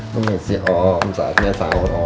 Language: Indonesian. permisi om saatnya saur om